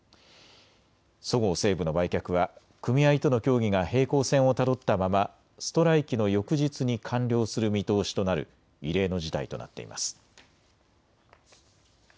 そごう・西武の売却は組合との協議が平行線をたどったままストライキの翌日に完了する見通しとなる異例の事態となっています。